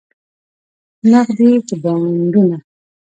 نغدې که بانډونه؟